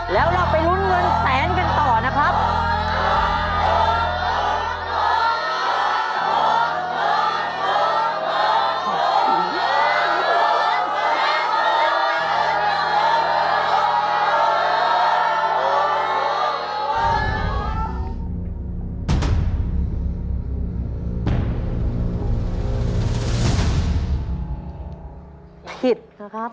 แล้วเราไปลุ้นเงินแสนกันต่อนะครับ